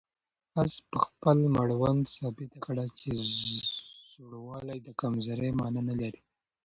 آس په خپل مړوند ثابته کړه چې زوړوالی د کمزورۍ مانا نه لري.